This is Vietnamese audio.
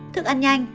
thức ăn nhanh